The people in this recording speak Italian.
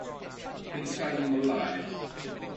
Pensai di mollare.